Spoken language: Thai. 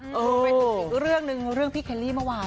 รวมไปถึงอีกเรื่องหนึ่งเรื่องพี่เคลลี่เมื่อวาน